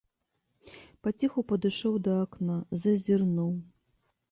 Паціху падышоў да акна, зазірнуў.